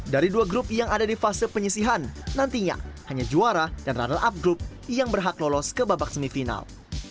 dari dua grup yang ada di fase penyisihan nantinya hanya juara dan runner up group yang berhak lolos ke babak semifinal